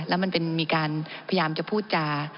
และมันเป็นมีการพยายามจะพูดจา